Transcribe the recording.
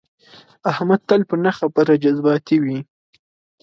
احمد تل په نه خبره جذباتي وي.